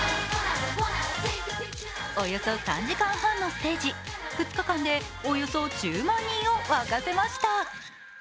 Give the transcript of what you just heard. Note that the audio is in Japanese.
およそ３時間半のステージ、２日間でおよそ１０万人をわかせました。